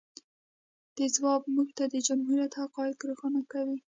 د ځواب موږ ته د جمهوریت حقایق روښانه کوي.